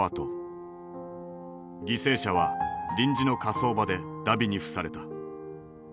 犠牲者は臨時の火葬場で荼毘に付された。